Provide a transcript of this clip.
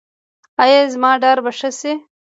ایا زما ډار به ښه شي؟